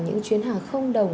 những chuyến hàng không đồng